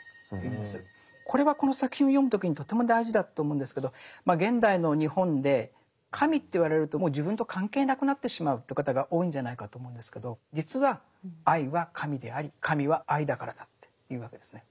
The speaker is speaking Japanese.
これはこの作品を読む時にとても大事だと思うんですけど現代の日本で神って言われるともう自分と関係なくなってしまうって方が多いんじゃないかと思うんですけど実は愛は神であり神は愛だからだっていうわけですね。